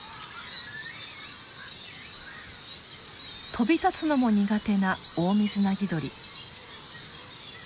飛び立つのも苦手なオオミズナギドリ。